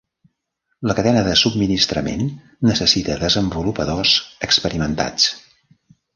La cadena de subministrament necessita desenvolupadors experimentats.